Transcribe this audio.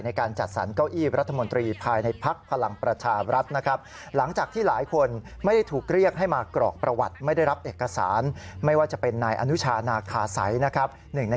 ในการจัดสรรเก้าอี้รัฐมนตรีภายในภักดิ์พลังประชาวรัฐนะครับ